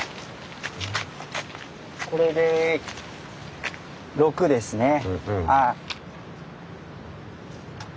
これで６ですね。